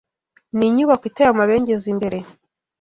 Ni inyubako iteye amabengeza imbere